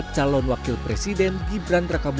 calon wakil presiden gibran trakabunjil